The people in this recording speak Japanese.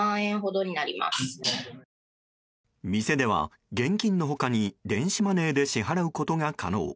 店では現金の他に電子マネーで支払うことが可能。